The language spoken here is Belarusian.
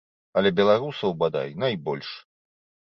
Але беларусаў, бадай, найбольш.